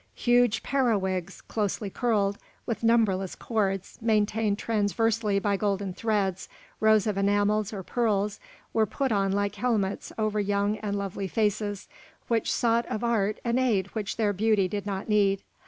Huge periwigs, closely curled, with numberless cords maintained transversely by golden threads, rows of enamels, or pearls, were put on like helmets over young and lovely faces, which sought of art an aid which their beauty did not need.